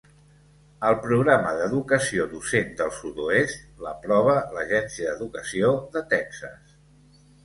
El Programa d'Educació Docent del Sud-oest, l'aprova l'Agència d'Educació de Texas.